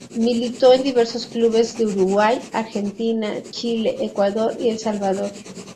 Militó en diversos clubes de Uruguay, Argentina, Chile, Ecuador y El Salvador.